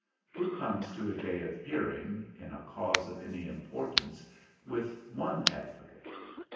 Who comes to a day of hearing, in a cause of any importance, with one advocate?